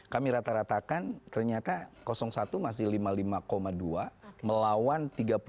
kami rata ratakan ternyata satu masih lima puluh lima dua melawan tiga puluh dua